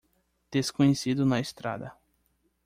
Desconhecido na estrada